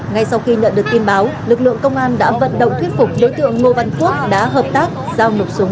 ngay sau khi nhận được tin báo lực lượng công an đã vận động thuyết phục đối tượng ngô văn quốc đã hợp tác giao nộp súng